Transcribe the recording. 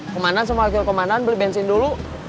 kemanan semua khusus kemanan beli bensin dulu